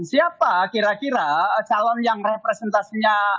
siapa kira kira calon yang representasinya